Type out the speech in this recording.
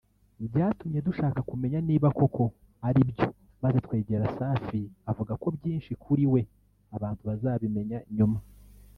Byatumye dushaka kumenya niba koko ari byo maze twegera Safi avuga ko byinshi kuri we abantu bazabimenya nyuma